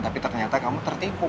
tapi ternyata kamu terserah